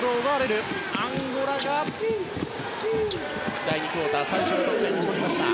アンゴラが第２クオーター最初の得点を取りました。